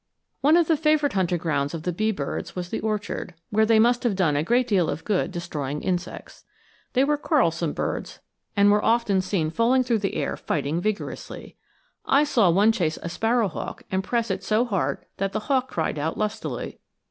One of the favorite hunting grounds of the bee birds was the orchard, where they must have done a great deal of good destroying insects. They were quarrelsome birds, and were often seen falling through the air fighting vigorously. I saw one chase a sparrow hawk and press it so hard that the hawk cried out lustily.